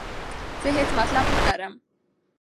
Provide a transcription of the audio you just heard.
زه هیڅ مطلب نه لرم.